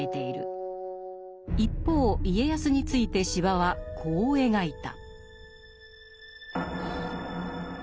一方家康について司馬はこう描いた。